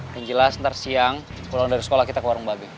yang jelas nanti siang pulang dari sekolah kita ke warung babi